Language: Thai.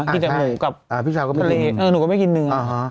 กินแต่หนูกับทะเลหนูก็ไม่กินเนื้อ